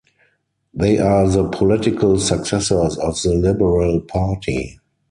They are the political successors of the Liberal Party.